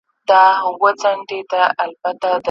موږ ته د تورو د میدان افسانې ولي لیکی